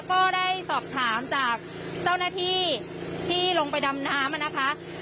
ก็ได้สอบถามจากเจ้าหน้าที่ที่ลงไปดำน้ำนะคะ